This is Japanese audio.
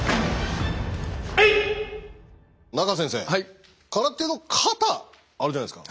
中先生空手の形あるじゃないですか？